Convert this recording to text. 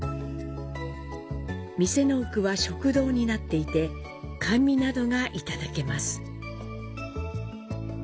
店の奥は食堂になっていて甘味などがいただけます。